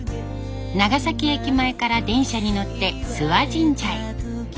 長崎駅前から電車に乗って諏訪神社へ。